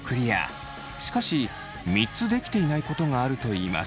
しかし３つできていないことがあるといいます。